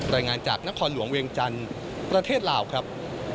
รายงานจากนครหลวงเวียงจันทร์ประเทศลาวครับ